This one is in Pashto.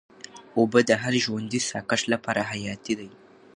اوبه د هر ژوندي ساه کښ لپاره حیاتي دي.